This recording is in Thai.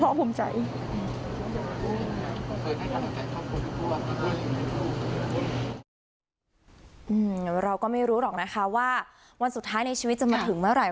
กำกับข้างไว้ตั้งแต่ปีหกสองนะคุณผู้ชมเรื่องปฏิหาร